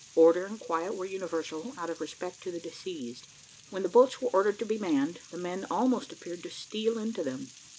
Order and quiet were universal, out of respect to the deceased. When the boats were ordered to be manned, the men almost appeared to steal into them.